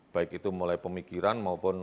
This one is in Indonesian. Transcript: baik itu mulai pemikiran maupun